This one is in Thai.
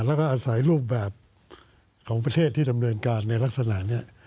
แล้วก็อาศัยรูปแบบของประเทศที่ดำเนินการในลักษณะนี้